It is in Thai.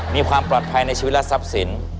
มีความปลอดภัยในชีวิตรสับสิน